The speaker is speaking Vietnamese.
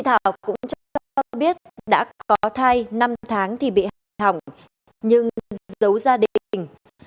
thảo cũng cho các biết đã có thai năm tháng thì bị hỏng nhưng giấu gia đình